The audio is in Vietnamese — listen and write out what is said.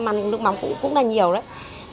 bởi vì nhà em ăn nước mắm cũng là nhiều đấy